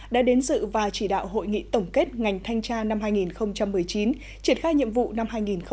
đã đến dự và chỉ đạo hội nghị tổng kết ngành thanh tra năm hai nghìn một mươi chín triển khai nhiệm vụ năm hai nghìn hai mươi